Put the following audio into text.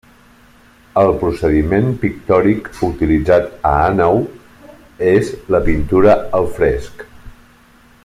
El procediment pictòric utilitzat a Àneu és la pintura al fresc.